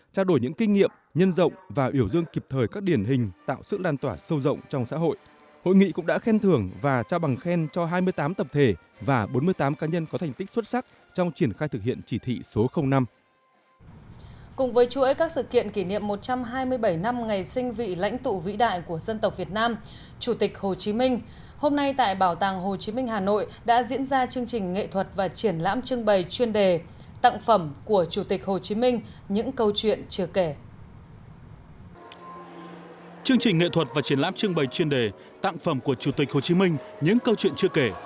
chương trình nghệ thuật và triển lãm trưng bày chuyên đề tặng phẩm của chủ tịch hồ chí minh những câu chuyện chưa kể